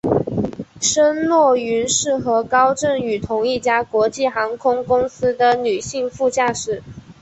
申若云是和高振宇同一家国际航空公司的女性副驾驶。